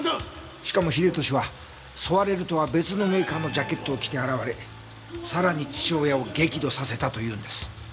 しかも英利はソワレルとは別のメーカーのジャケットを着て現れさらに父親を激怒させたというんです。